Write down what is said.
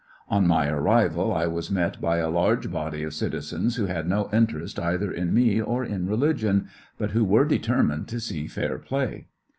On my arrival I was met by a large body of citizens who had oo interest either in me or in religion, but who were determined to see fair play.